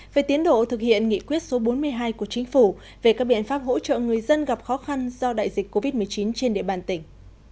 về tiến độ thực hiện nghị quyết số bốn mươi hai của chính phủ về các biện pháp hỗ trợ người dân gặp khó khăn do đại dịch covid một mươi chín trên địa bàn tỉnh